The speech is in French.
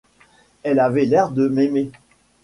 Elle avait l’air de m’aimer.